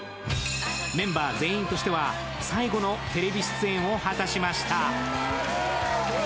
メンバー全員としては最後のテレビ出演を果たしました。